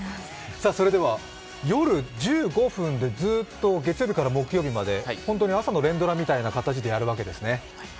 夜１５分でずっと月曜日から木曜日まで本当に朝の連ドラみたいな形でやるわけですね。